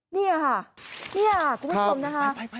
นี่ค่ะนี่คุณผู้ชมนะคะ